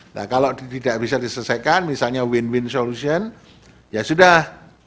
nah kalau tidak bisa diselesaikan misalnya win win solution ya sudah